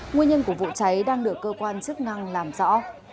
nguyên nhân của vụ cháy đang được cơ quan chức năng làm rõ